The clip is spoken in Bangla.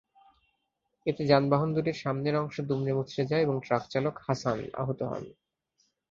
এতে যানবাহন দুটির সামনের অংশ দুমড়েমুচড়ে যায় এবং ট্রাকচালক হাসান আহত হন।